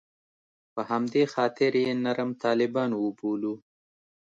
په همدې خاطر یې نرم طالبان وبولو.